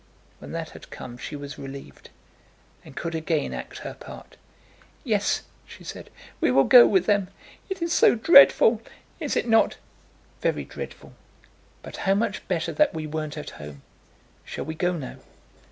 When that had come she was relieved, and could again act her part. "Yes," she said, "we will go with them. It is so dreadful; is it not?" "Very dreadful; but how much better that we weren't at home! Shall we go now?"